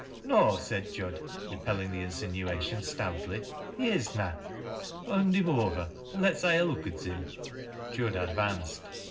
No," said Jud, repelling the insinuation stoutly ;" be is na." " Hond him over, an' lets ha' a look at him." Jud advanced.